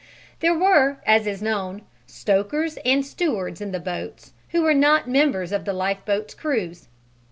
There were, as is known, stokers and stewards in the boats who were not members of the lifeboats' crews.